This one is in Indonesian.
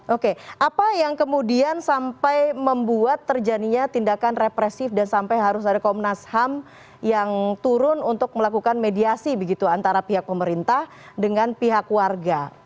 oke apa yang kemudian sampai membuat terjadinya tindakan represif dan sampai harus ada komnas ham yang turun untuk melakukan mediasi begitu antara pihak pemerintah dengan pihak warga